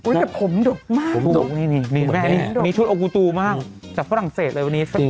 อุ๊ยแต่ผมดกมากนี่แม่นี่มีชุดโอกูตูมากจากฝรั่งเศสเลยวันนี้